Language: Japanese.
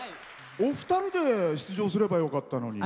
お二人で出場すればよかったのに。